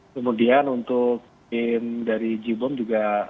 kemudian untuk tim dari jibom juga